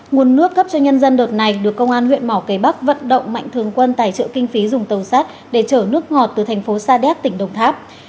nguồn nước cấp cho nhân dân đợt này được công an huyện mỏ cây bắc vận động mạnh thường quân tài trợ kinh phí dùng tàu sát để chở nước ngọt từ thành phố sa đéc tỉnh đồng tháp